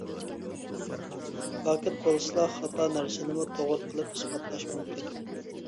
پاكىت بولسىلا خاتا نەرسىنىمۇ توغرا قىلىپ ئىسپاتلاش مۇمكىن.